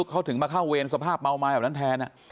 เขาถึงมาเข้าเวรสภาพเมาไม้แบบนั้นแทน